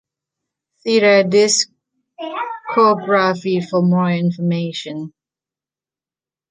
See their discography for more information.